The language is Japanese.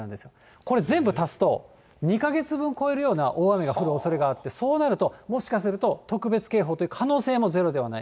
これ全部足すと、２か月分超えるような大雨が降るおそれがあって、そうなると、もしかすると、特別警報という可能性もゼロではない。